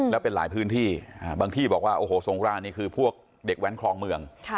แล้วเป็นหลายพื้นที่บางที่บอกว่าโอ้โหสงครานนี่คือพวกเด็กแว้นคลองเมือง